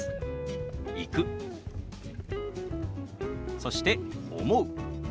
そして「思う」。